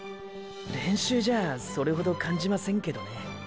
練習じゃあそれほど感じませんけどね。